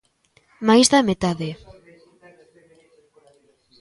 Máis da metade.